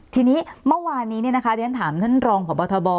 ทีนี้เมื่อวานนี้เนี่ยนะคะเดี๋ยวฉันถามท่านรองของบทบ